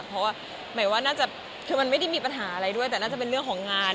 เพราะว่าคือมันไม่ได้มีปัญหาอะไรด้วยแต่น่าจะเป็นเรื่องของงาน